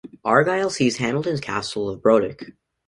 Argyll seized Hamilton's castle of Brodick.